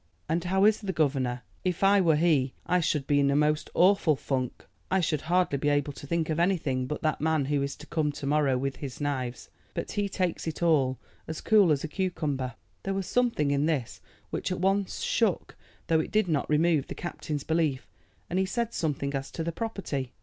"And how is the governor? If I were he I should be in a most awful funk. I should hardly be able to think of anything but that man who is to come to morrow with his knives. But he takes it all as cool as a cucumber." There was something in this which at once shook, though it did not remove, the captain's belief, and he said something as to the property.